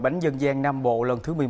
bánh dân gian nam bộ lần thứ một mươi một